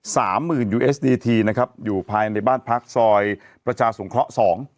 สามหมื่นยูเอสดีทีนะครับอยู่ภายในบ้านพักซอยประชาสงเคราะห์สอง